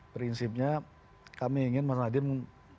prinsipnya kami ingin mas nadiem